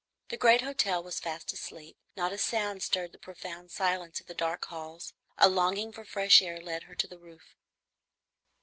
The great hotel was fast asleep; not a sound stirred the profound silence of the dark halls. A longing for fresh air led her to the roof.